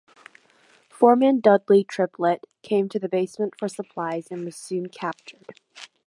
Foreman Dudley Triplett came to the basement for supplies and was soon captured.